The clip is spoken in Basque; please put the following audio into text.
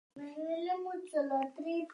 Ondoren, gizonezkoak bere buruaz beste egin du.